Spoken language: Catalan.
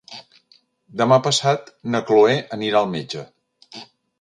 Demà passat na Cloè anirà al metge.